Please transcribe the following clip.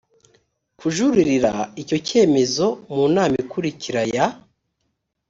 kujuririra icyo cyemezo mu nama ikurikira ya